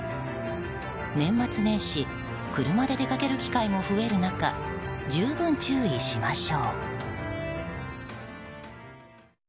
年末年始車で出かける機会も増える中十分、注意しましょう。